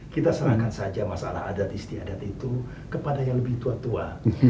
kita serahkan saja masalah adat istiadat itu kepada yang lebih tua tua